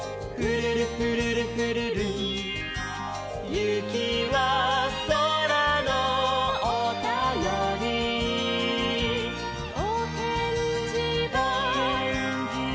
「ゆきはそらのおたより」「おへんじは」